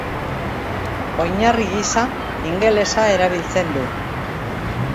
Oinarri gisa ingelesa erabiltzen du.